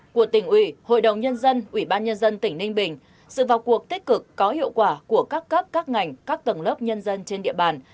của tỉnh ủy hội đồng nhân dân ubnd tỉnh ninh bình sự vào cuộc tích cực có hiệu quả của các cấp các ngành các tầng lớp nhân dân trên địa bàn